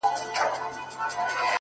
په تورو سترگو کي کمال د زلفو مه راوله؛